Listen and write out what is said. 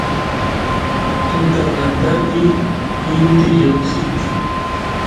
tutamantapi inti lloqsin